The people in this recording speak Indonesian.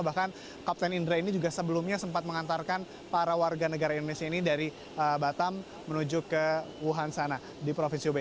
bahkan kapten indra ini juga sebelumnya sempat mengantarkan para warga negara indonesia ini dari batam menuju ke wuhan sana di provinsi hubei